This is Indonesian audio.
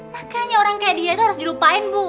makanya orang kayak dia itu harus dilupain bu